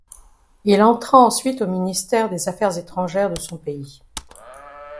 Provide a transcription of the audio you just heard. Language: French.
Il entra ensuite au ministère des affaires étrangères de son pays.